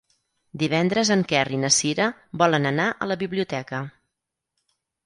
Divendres en Quer i na Cira volen anar a la biblioteca.